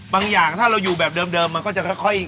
อย่างถ้าเราอยู่แบบเดิมมันก็จะค่อย